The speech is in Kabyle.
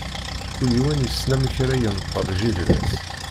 Kul yiwen, issen amek ara yenṭel jida-s.